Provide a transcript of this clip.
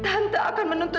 apa ada tante